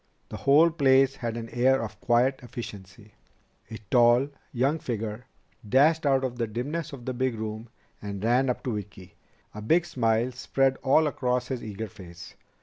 The whole place had an air of quiet efficiency. A tall, young figure dashed out of the dimness of the big room and ran up to Vicki, a big smile spread all across his eager face.